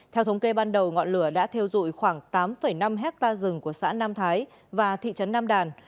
theo thống kê ban đầu ngọn lửa đã theo dụi khoảng tám năm hectare rừng của xã nam thái và thị trấn nam đàn